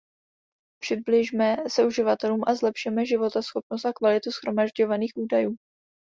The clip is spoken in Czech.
Přibližme se uživatelům a zlepšeme životaschopnost a kvalitu shromažďovaných údajů.